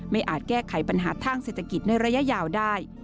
อาจแก้ไขปัญหาทางเศรษฐกิจในระยะยาวได้